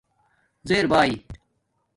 زیر بآئ